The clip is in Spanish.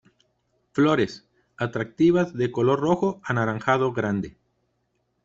Flores, atractivas de color rojo anaranjado grande.